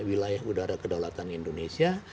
wilayah udara kedaulatan indonesia